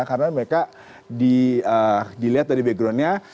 karena mereka dilihat dari backgroundnya